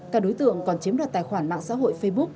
các đối tượng còn chiếm đoạt tài khoản mạng xã hội facebook